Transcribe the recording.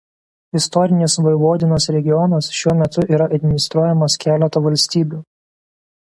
Istorinis Voivodinos regionas šiuo metu yra administruojamas keleto valstybių.